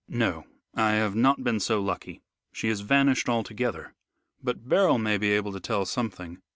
"No, I have not been so lucky. She has vanished altogether. But Beryl may be able to tell something."